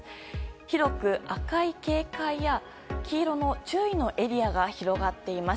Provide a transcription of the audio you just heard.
広く赤い警戒や黄色の注意のエリアが広がっています。